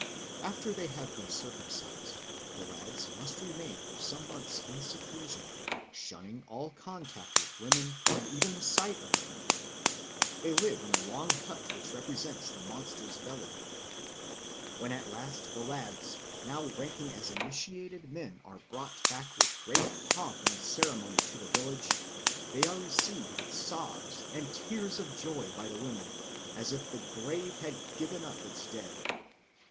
After they have been circumcised the lads must remain for some months in seclusion, shunning all contact with women and even the sight of them. They live in the long hut which represents the monster's belly. When at last the lads, now ranking as initiated men, are brought back with great pomp and ceremony to the village, they are received with sobs and tears of joy by the women, as if the grave had given up its dead.